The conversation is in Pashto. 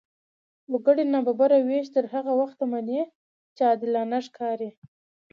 وګړي نابرابره وېش تر هغه وخته مني، چې عادلانه ښکاري.